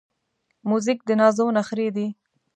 موزیک د نازو نخری دی.